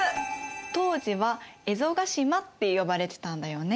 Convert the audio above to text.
当時は蝦夷ヶ島って呼ばれてたんだよね。